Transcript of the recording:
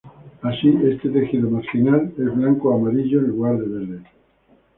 Así, este tejido marginal es blanco o amarillo, en lugar de verde.